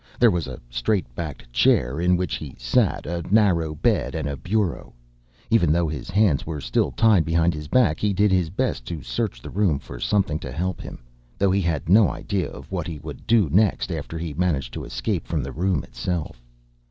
There was a straight backed chair, in which he sat, a narrow bed, and a bureau. Even though his hands were still tied behind his back, he did his best to search the room for something to help him though he had no idea of what he would do next after he managed to escape from the room itself.